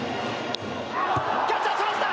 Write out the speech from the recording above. キャッチャーそらした！